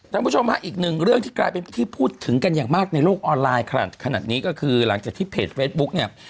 คุณผู้ชมฮะอีกหนึ่งเรื่องที่กลายเป็นที่พูดถึงกันอย่างมากในโลกออนไลน์ขนาดนี้ก็คือหลังจากที่เพจเฟซบุ๊กเนี่ย